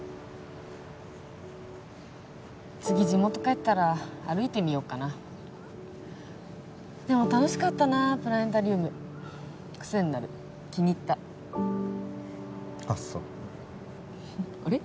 次地元帰ったら歩いてみよっかなでも楽しかったなプラネタリウムクセになる気に入ったあっそうあれ？